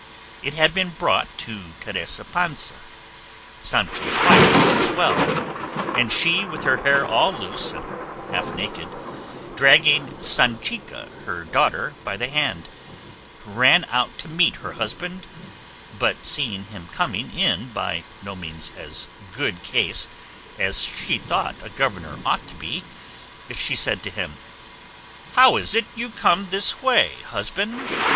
It had been brought to Teresa Panza, Sancho's wife, as well, and she with her hair all loose and half naked, dragging Sanchica her daughter by the hand, ran out to meet her husband; but seeing him coming in by no means as good case as she thought a governor ought to be, she said to him, "How is it you come this way, husband?